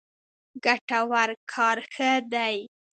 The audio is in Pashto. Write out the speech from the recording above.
ګټور کار ښه دی.